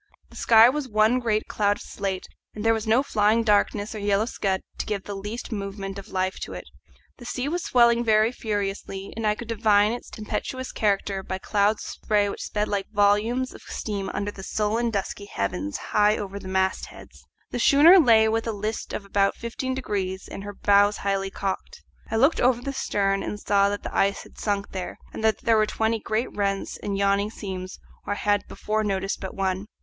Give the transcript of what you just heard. The sky was one great cloud of slate, and there was no flying darkness or yellow scud to give the least movement of life to it. The sea was swelling very furiously, and I could divine its tempestuous character by clouds of spray which sped like volumes of steam under the sullen dusky heavens high over the mastheads. The schooner lay with a list of about fifteen degrees and her bows high cocked. I looked over the stern and saw that the ice had sunk there, and that there were twenty great rents and yawning seams where I had before noticed but one.